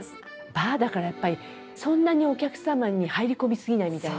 バーだからやっぱりそんなにお客様に入り込み過ぎないみたいな。